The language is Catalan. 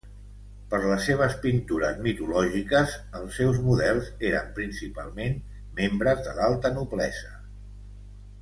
Per les seves pintures mitològiques els seus models eren principalment membres de l'alta noblesa.